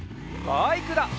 バイクだ！